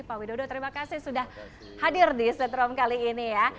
pak widodo terima kasih sudah hadir di setrum kali ini ya